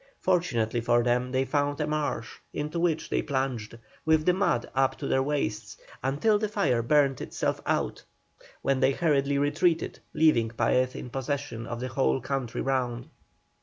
Fortunately for them they found a marsh, into which they plunged, with the mud up to their waists, until the fire burned itself out, when they hurriedly retreated, leaving Paez in possession of the whole country round.